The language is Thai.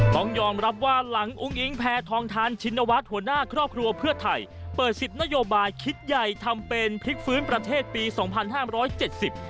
ต้องยอมรับว่าหลังอุ้งอิงแพทองทานชินวัฒน์หัวหน้าครอบครัวเพื่อไทยเปิดสิบนโยบายคิดใหญ่ทำเป็นพลิกฟื้นประเทศปีสองพันห้ามร้อยเจ็ดสิบ